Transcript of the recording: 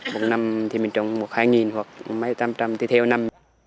một năm thì mình trồng một hai nghìn hoặc một hai tám trăm tiếp theo năm